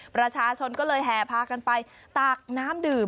ประชาชนก็เลยแห่พากันไปตักน้ำดื่ม